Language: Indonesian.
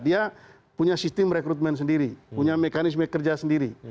dia punya sistem rekrutmen sendiri punya mekanisme kerja sendiri